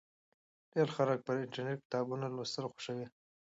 ډیر خلک پر انټرنېټ کتابونه لوستل خوښوي.